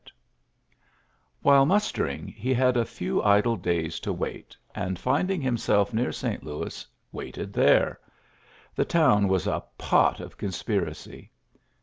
GEAIJT Wliile musteriiig, lie had a f^w , days to wait, and, finding himself t:} St. Lonis, waited there. The town a pot of conspiracy.